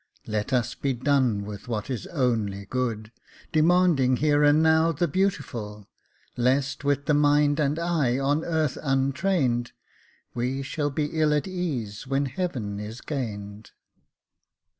Let us be done with what is only good, Demanding here and now the beautiful; Lest, with the mind and eye on earth untrained, We shall be ill at ease when heaven is gained.